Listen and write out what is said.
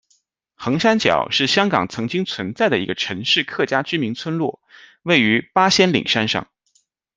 横山脚是香港曾经存在的一个陈氏客家居民村落，位于八仙岭山上。